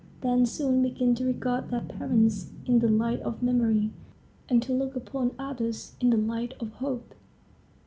They soon begin to regard their parents in the light of memory and to look upon others in the light of hope."